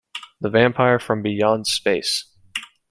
The Vampire from Beyond Space.